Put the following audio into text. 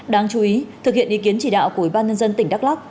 đáng chú ý thực hiện ý kiến chỉ đạo của ủy ban nhân dân tỉnh đắk lắc